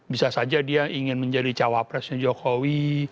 bisa saja dia ingin menjadi cawapresnya jokowi